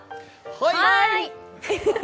はい！